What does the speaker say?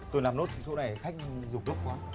tôi làm nốt chỗ này khách dụng lúc quá